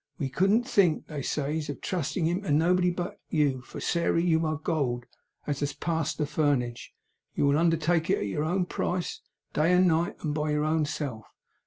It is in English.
We couldn't think," they says, "of trusting him to nobody but you, for, Sairey, you are gold as has passed the furnage. Will you undertake it, at your own price, day and night, and by your own self?"